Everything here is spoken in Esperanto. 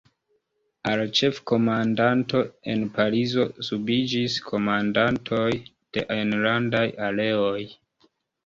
Al la Ĉefkomandanto en Parizo subiĝis komandantoj de enlandaj Areoj.